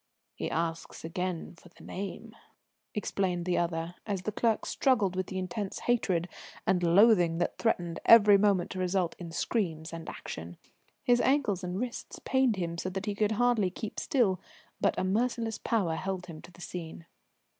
"He asks again for the name," explained the other, as the clerk struggled with the intense hatred and loathing that threatened every moment to result in screams and action. His ankles and wrists pained him so that he could scarcely keep still, but a merciless power held him to the scene.